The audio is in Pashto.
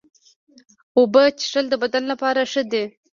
اوبه څښل د بدن لپاره ښه دي.